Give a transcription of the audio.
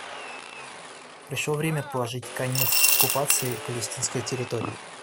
Пришло время положить конец оккупации палестинской территории.